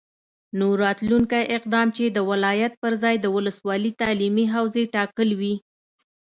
نو راتلونکی اقدام چې د ولایت پرځای د ولسوالي تعلیمي حوزې ټاکل وي،